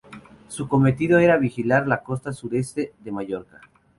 Su cometido era vigilar la costa Sureste de Mallorca.